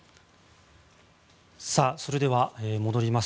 それでは、戻ります。